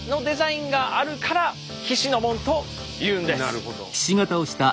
なるほど。